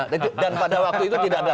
dan pada waktu itu tidak ada